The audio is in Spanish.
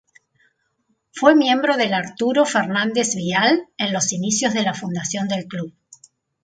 Fue miembro del Arturo Fernández Vial, en los inicios de la fundación del club.